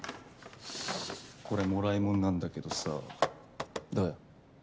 これもらいもんなんだけどさどうよ？